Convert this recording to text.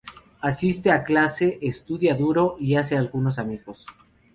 Asiste a clase, estudia duro y hace algunos amigos.